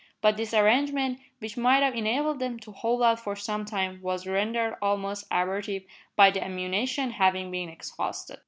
But this arrangement, which might have enabled them to hold out for some time, was rendered almost abortive by the ammunition having been exhausted.